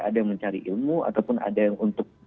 ada yang mencari ilmu ataupun ada yang untuk